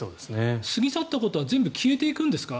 過ぎ去ったことは全部消えていくんですか？